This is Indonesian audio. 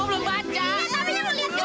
iya tapi ya lo lihat juga